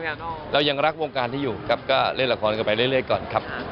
เรายังรักวงการนี้อยู่ครับก็เล่นละครกันไปเรื่อยก่อนครับ